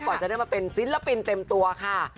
จะได้มาเป็นศิลปินเต็มตัวค่ะ